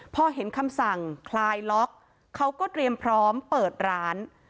พอเห็นคำสั่งคลายล็อกเขาก็เตรียมพร้อมเปิดร้าน